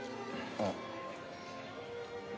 あっ。